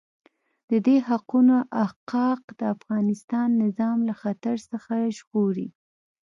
د دې حقوقو احقاق د افغانستان نظام له خطر څخه ژغوري.